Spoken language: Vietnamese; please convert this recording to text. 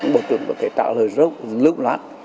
bộ trưởng có thể trả lời rất lưu loát